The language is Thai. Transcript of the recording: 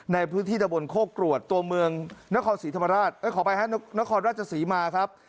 ในพื้นที่ตะบนโคกรวดตัวเมืองนครศรีธรรมราชขออภัยฮะนครราชศรีมาครับ